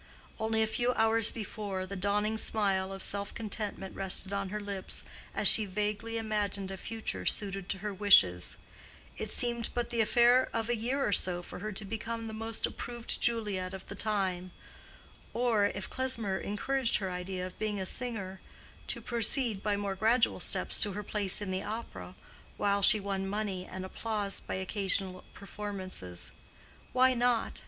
Only a few hours before, the dawning smile of self contentment rested on her lips as she vaguely imagined a future suited to her wishes: it seemed but the affair of a year or so for her to become the most approved Juliet of the time: or, if Klesmer encouraged her idea of being a singer, to proceed by more gradual steps to her place in the opera, while she won money and applause by occasional performances. Why not?